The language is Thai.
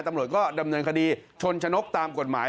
ตำรวจก็ดำเนินคดีชนชนกตามกฎหมาย